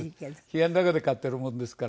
部屋の中で飼ってるものですから。